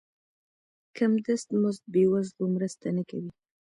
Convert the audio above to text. کم دست مزد بې وزلو مرسته نه کوي.